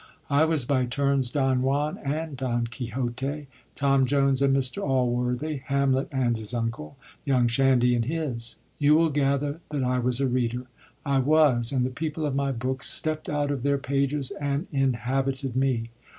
I was by turns Don Juan and Don Quixote, Tom Jones and Mr. Allworthy, Hamlet and his uncle, young Shandy and his. You will gather that I was a reader. I was, and the people of my books stepped out of their pages and inhabited me.